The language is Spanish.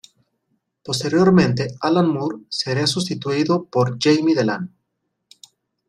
Posteriormente, Alan Moore sería sustituido por Jamie Delano.